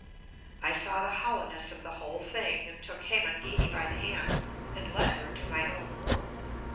I saw the hollowness of the whole thing, and took Hemangini by the hand and led her to my own room.